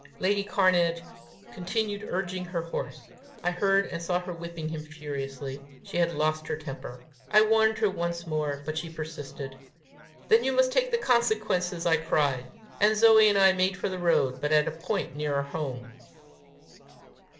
Lady Cairnedge continued urging her horse. I heard and saw her whipping him furiously. She had lost her temper. I warned her once more, but she persisted. "Then you must take the consequences!" I said; and Zoe and I made for the road, but at a point nearer home.